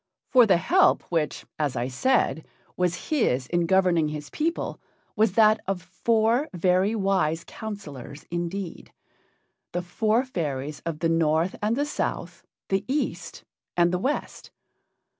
For the help which, as I said, was his in governing his people was that of four very wise counselors indeed the four fairies of the North and the South, the East and the West.